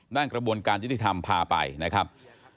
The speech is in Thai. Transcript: กระบวนการยุติธรรมพาไปนะครับ